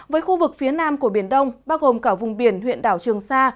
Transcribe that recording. với khu vực phía nam của biển đông bao gồm cả vùng biển huyện đảo trường sa